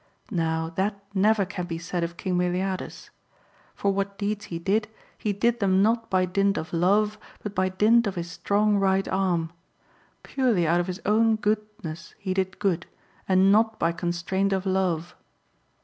Now that never can be said of King Meliadus ! For what deeds he did, he did them not by dint of Love, but by dint of his strong right arm. Purely out of his own good ness he did good, and not by constraint of Love."